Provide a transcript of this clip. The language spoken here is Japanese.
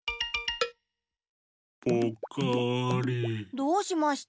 どうしました？